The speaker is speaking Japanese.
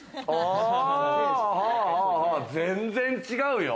全然違うよ。